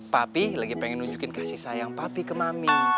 papi lagi pengen nunjukin kasih sayang papi ke mami